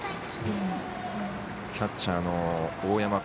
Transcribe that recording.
キャッチャーの大山